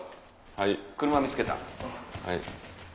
はい。